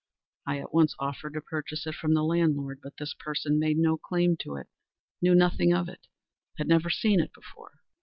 I at once offered to purchase it of the landlord; but this person made no claim to it—knew nothing of it—had never seen it before.